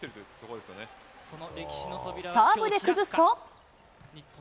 サーブで崩すと。